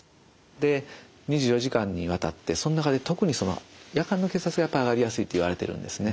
で２４時間にわたってその中で特に夜間の血圧が上がりやすいといわれてるんですね。